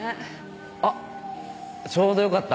あっちょうどよかった。